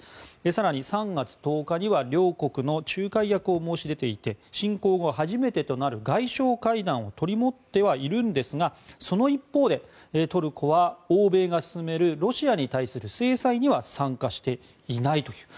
更に３月１０には両国の仲介役を申し出ていて侵攻後初めてとなる外相会談を取り持って入るんですがその一方でトルコは欧米が進めるロシアに対する制裁には参加していないという。